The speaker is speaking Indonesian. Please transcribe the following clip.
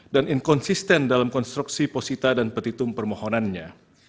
dan inkonsisten dalam konstruksi posita dan petitum permohonannya